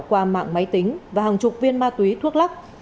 qua mạng máy tính và hàng chục viên ma túy thuốc lắc